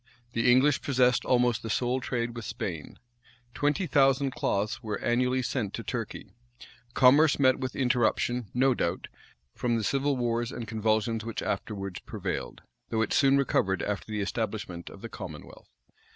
The English possessed almost the sole trade with Spain. Twenty thousand cloths were annually sent to Turkey.[] Commerce met with interruption, no doubt, from the civil wars and convulsions which afterwards prevailed; though it soon recovered after the establishment of the commonwealth.